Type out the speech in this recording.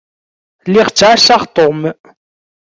Lliɣ ttɛassaɣ Tom.